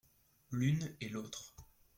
L’une et l’autre.